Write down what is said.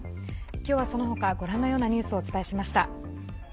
今日はその他、ご覧のようなニュースをお伝えしました。